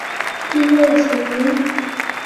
কি হয়েছে, লিহ?